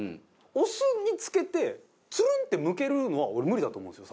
お酢に漬けてツルン！ってむけるのは俺無理だと思うんですよ